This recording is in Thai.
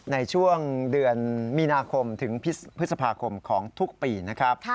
ในช่วงเดือนมีนาคมถึงพฤษภาคมของทุกปีนะครับ